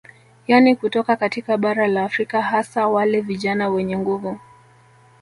Yani kutoka katika bara la Afrika hasa wale vijana wenye nguvu